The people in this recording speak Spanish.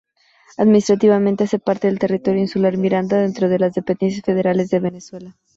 Administrativamente hace parte del Territorio Insular Miranda, dentro de las Dependencias Federales de Venezuela.